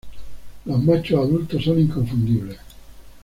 Los machos adultos son inconfundibles.